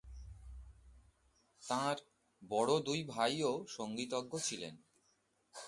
তাঁর বড় দুই ভাইও সঙ্গীতজ্ঞ ছিলেন।